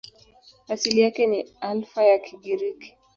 Asili yake ni Alfa ya Kigiriki.